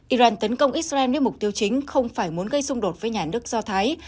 iran tấn công israel nếu mục tiêu chính không phải muốn gây xung đột với nhà nước do thái